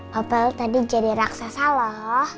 bapak tadi jadi raksasa loh